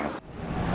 cùng với sự tự nhiên